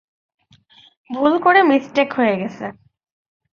ভুল করে মিসটেক হয়ে গেছে।